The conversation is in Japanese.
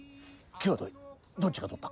際どいどっちが取った？